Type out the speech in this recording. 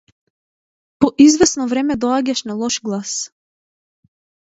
По извесно време доаѓаш на лош глас.